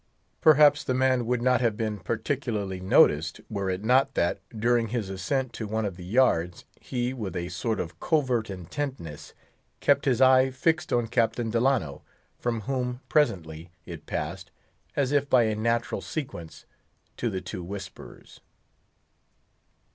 Perhaps the man would not have been particularly noticed, were it not that, during his ascent to one of the yards, he, with a sort of covert intentness, kept his eye fixed on Captain Delano, from whom, presently, it passed, as if by a natural sequence, to the two whisperers.